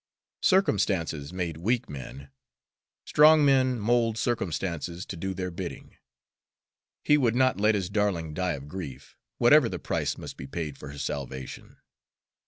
Circumstances made weak men; strong men mould circumstances to do their bidding. He would not let his darling die of grief, whatever the price must be paid for her salvation.